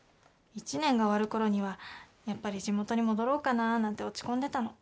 １年が終わるころにはやっぱり地元に戻ろうかななんて落ち込んでたの。